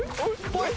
ぽい！